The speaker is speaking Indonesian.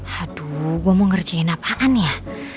aduh gue mau ngerjain apaan ya